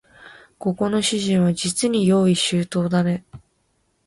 ここの主人はじつに用意周到だね